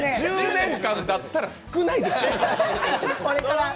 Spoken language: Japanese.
１０年間だったら少ない。